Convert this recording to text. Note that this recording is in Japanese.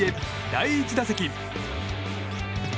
第１打席。